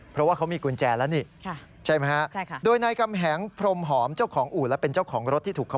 เพราะว่าเขามีกุญแจแล้วนี่